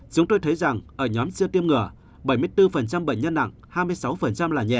chúng tôi thấy rằng ở nhóm siêu tiêm ngừa bảy mươi bốn bệnh nhân nặng hai mươi sáu là nhẹ